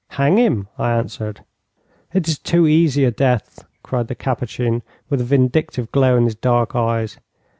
'Hang him,' I answered. 'It is too easy a death,' cried the Capuchin, with a vindictive glow in his dark eyes.